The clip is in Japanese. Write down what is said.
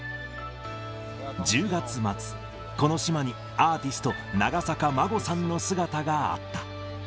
１０月末、この島にアーティスト、長坂真護さんの姿があった。